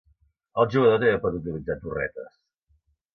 El jugador també pot utilitzar torretes.